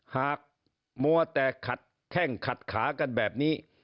หากมัวแต่ขัดแข้งขัดขากันแบบนี้